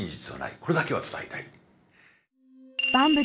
これだけは伝えたい。